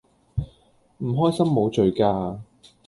唔開心無罪㗎